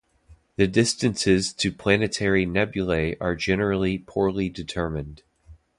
The distances to planetary nebulae are generally poorly determined.